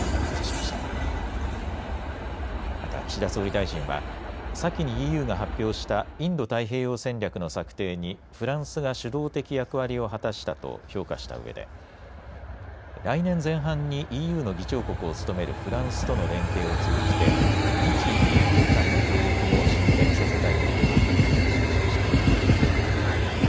また、岸田総理大臣は先にＥＵが発表したインド太平洋戦略の策定にフランスが主導的役割を果たしたと評価したうえで来年前半にＥＵの議長国を務めるフランスとの連携を通じて日・ＥＵ間の協力も進展させたいという考えを示しました。